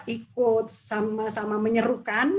ikut sama sama menyerukan